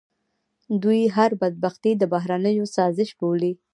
دوی هر بدبختي د بهرنیو سازش بولي.